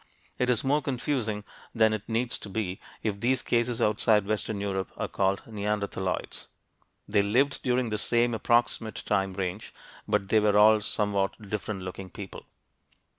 It is more confusing than it needs to be if these cases outside western Europe are called neanderthaloids. They lived during the same approximate time range but they were all somewhat different looking people.